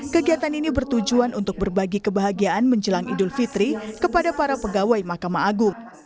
kegiatan ini bertujuan untuk berbagi kebahagiaan menjelang idul fitri kepada para pegawai mahkamah agung